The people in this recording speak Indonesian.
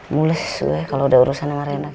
mules gue kalo udah urusan sama reina ki